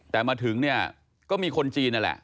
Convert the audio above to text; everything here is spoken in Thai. แต่มาถึงเนี่ยก็มีคนจีนนั่นแหละ